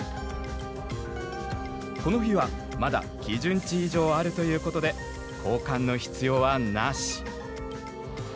この日はまだ「基準値以上ある」ということで交換の必要はなし。